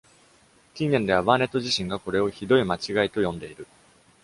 近年では、バーネット自身がこれを「ひどい間違い」と呼んでいる。